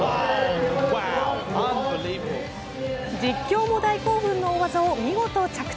実況も大興奮の大技を見事、着地。